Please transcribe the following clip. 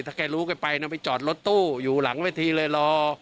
ถ้าแกรู้แกไปนะไปจอดรถตู้อยู่หลังเวทีเลยรอ